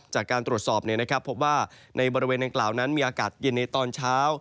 จากการตรวจสอบพบว่าในบริเวณดังกล่าวนั้นมีอากาศเย็นในตอนเช้า